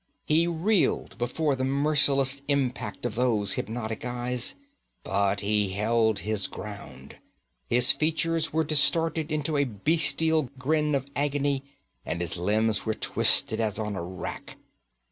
He reeled before the merciless impact of those hypnotic eyes, but he held his ground. His features were distorted into a bestial grin of agony, and his limbs were twisted as on a rack.